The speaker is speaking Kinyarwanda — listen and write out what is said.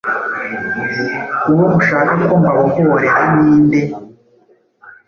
Uwo mushaka ko mbabohorera ni nde?